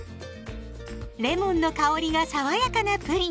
レモンの香りが爽やかなプリン！